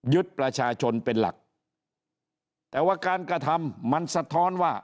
ประชาชนเป็นหลักแต่ว่าการกระทำมันสะท้อนว่า